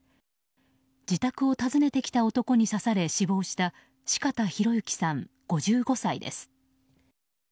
自宅を訪ねてきた男に刺され死亡した四方洋行さん、５５歳です。